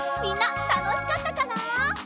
みんなたのしかったかな？